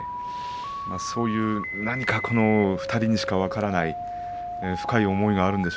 そういう何か２人しか分からない